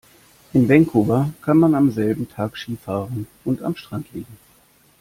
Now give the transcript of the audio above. In Vancouver kann man am selben Tag Ski fahren und am Strand liegen.